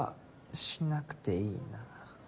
しなくていいな。